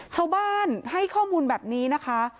ชาวบ้านให้ข้อมูลแบบนี้นะคะ